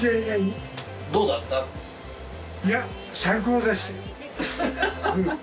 いや最高でしたよ。